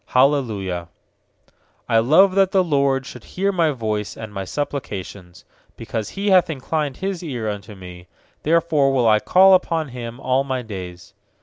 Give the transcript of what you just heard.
Hallelujah. 1 1 ft I love that the LORD shoulc 110 hear My voice and my supplications. 2Because He hath inclined His eai unto me, Therefore will I call upon Him all my days.